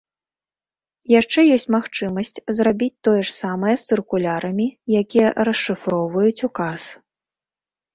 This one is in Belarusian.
Яшчэ ёсць магчымасць зрабіць тое ж самае з цыркулярамі, якія расшыфроўваюць указ.